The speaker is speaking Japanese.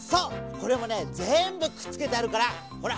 これもねぜんぶくっつけてあるからほら！